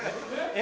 え？